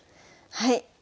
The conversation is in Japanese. はい。